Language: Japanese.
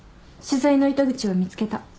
取材の糸口を見つけた。